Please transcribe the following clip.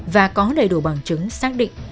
và có đầy đủ bằng chứng xác định